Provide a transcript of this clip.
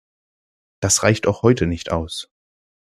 Das reicht auch heute nicht aus.